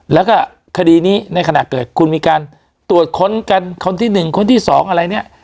แล้วก็คดีนี้ในขณะเกิดคุณมีการตรวจค้นกันคนที่๑คนที่๒อะไรเนี่ย